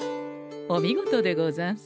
お見事でござんす。